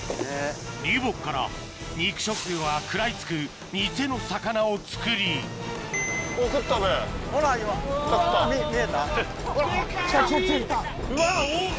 流木から肉食魚が食らいつくニセの魚を作りうわ黄金！